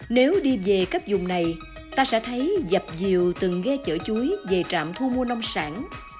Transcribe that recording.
nếu đi về các dùng này ta sẽ thấy dập dìu từng ghe chở chuối về trạm thu mua nông sản